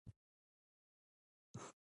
موږ چې د چا داودي نغمې او تلاوت واورو.